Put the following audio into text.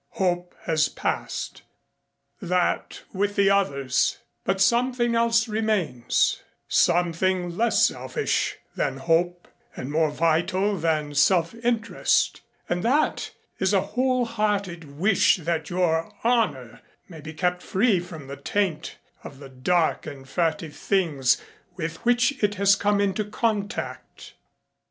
Hope has passed that with the others, but something else remains, something less selfish than hope and more vital than self interest and that is a whole hearted wish that your honor may be kept free from the taint of the dark and furtive things with which it has come into contact.